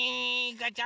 ガチャ！